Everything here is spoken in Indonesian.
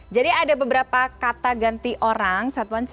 jadi ada beberapa kata ganti orang